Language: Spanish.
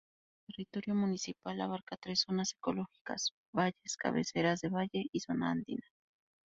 El territorio municipal abarca tres zonas ecológicas: valles, cabeceras de valle y zona andina.